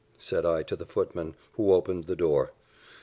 said I to the footman, who opened the door.